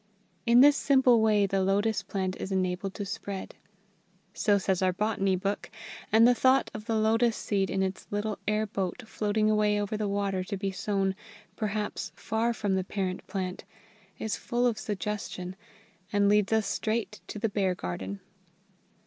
In this simple way the lotus plant is enabled to spread." So says our botany book; and the thought of the lotus seed in its little air boat floating away over the water to be sown, perhaps, far from the parent plant, is full of suggestion, and leads us straight to the Bear garden.